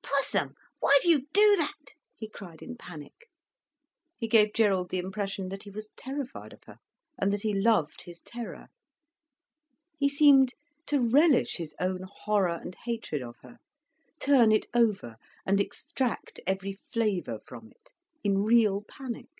"Pussum, why do you do that?" he cried in panic. He gave Gerald the impression that he was terrified of her, and that he loved his terror. He seemed to relish his own horror and hatred of her, turn it over and extract every flavour from it, in real panic.